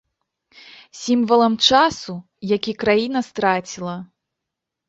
Сімвалам часу, які краіна страціла.